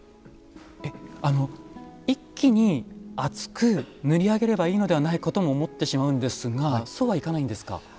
えっ一気に厚く塗り上げればいいのではないかとも思ってしまうんですがそうはいかないんですか？